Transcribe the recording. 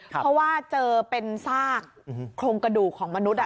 เพราะว่าเจอเป็นซากโครงกระดูกของมนุษย์